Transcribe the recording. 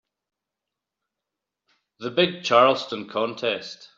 The big Charleston contest.